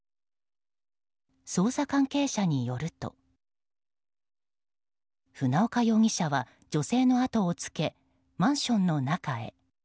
捜査関係者によると船岡容疑者は女性の後をつけマンションの中へ。